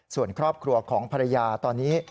ส่วนครอบครัวของภรรยาตอนนี้